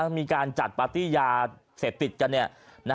มีการจัดปาร์ตี้ยาเสพติดกัน